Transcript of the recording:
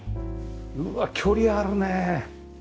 うわっ距離あるね。